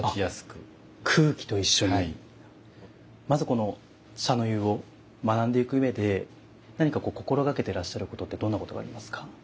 まずこの茶の湯を学んでいく上で何かこう心掛けてらっしゃることってどんなことがありますか。